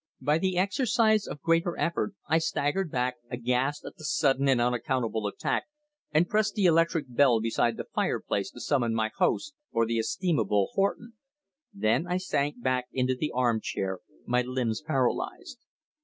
By the exercise of greater effort I staggered back, aghast at the sudden and unaccountable attack, and pressed the electric bell beside the fireplace to summon my host or the estimable Horton. Then I sank back into the arm chair, my limbs paralysed.